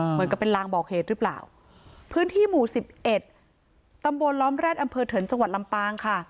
เหมือนกับเป็นลางบอกเหตุหรือเปล่าพื้นที่หมู่สิบเอ็ดตำบลล้อมแร็ดอำเภอเถินจังหวัดลำปางค่ะ